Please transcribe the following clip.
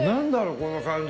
この感じ。